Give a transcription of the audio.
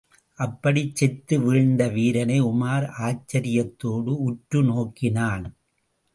அப்படிச் செத்து வீழ்ந்த வீரனை உமார் ஆச்சரியத்தோடு உற்று நோக்கினான்.